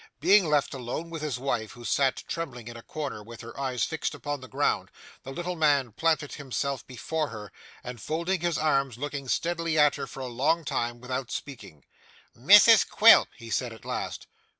Being left along with his wife, who sat trembling in a corner with her eyes fixed upon the ground, the little man planted himself before her, and folding his arms looked steadily at her for a long time without speaking. 'Mrs Quilp,' he said at last.